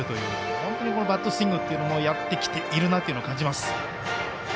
本当にバットスイングをやってきているなというのを感じます。